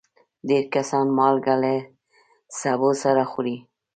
ډېر کسان مالګه له سبو سره خوري.